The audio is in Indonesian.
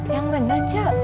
ya bener aja